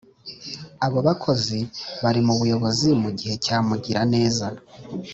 abo bakozi bari mu buyobozi mu gihe cya mugira neza